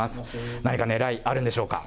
何かねらい、あるんでしょうか。